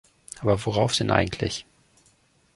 Aber worauf denn eigentlich?